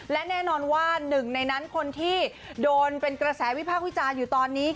และแน่นอนว่าหนึ่งในนั้นคนที่โดนเป็นกระแสวิพากษ์วิจารณ์อยู่ตอนนี้